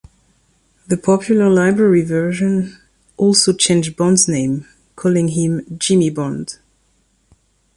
The Popular Library version also changed Bond's name, calling him "Jimmy Bond".